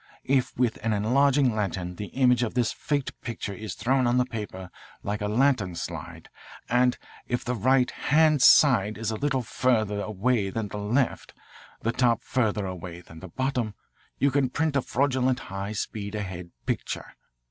If with an enlarging lantern the image of this faked picture is thrown on the paper like a lantern slide, and if the right hand side is a little further away than the left, the top further away than the bottom, you can print a fraudulent high speed ahead picture.